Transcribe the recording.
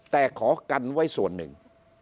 แต่ขอกันไว้ส่วนหนึ่ง